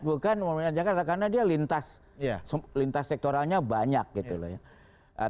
bukan pemerintah jakarta karena dia lintas sektoralnya banyak gitu loh ya